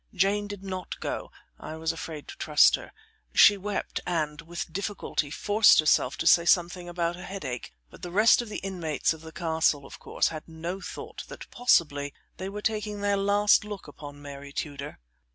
Jane did not go; I was afraid to trust her. She wept, and, with difficulty, forced herself to say something about a headache, but the rest of the inmates of the castle of course had no thought that possibly they were taking their last look upon Mary Tudor.